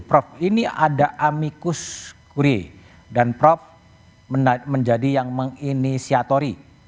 prof ini ada amikus kure dan prof menjadi yang menginisiatori